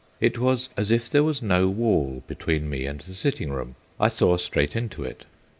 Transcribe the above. It was as if there was no wall between me and the sitting room. I saw straight into it.